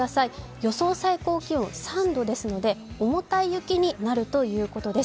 予想最高気温３度ですので、重たい雪になるということです。